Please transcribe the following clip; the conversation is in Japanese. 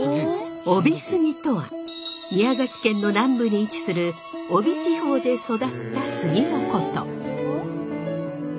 飫肥杉とは宮崎県の南部に位置する飫肥地方で育った杉のこと。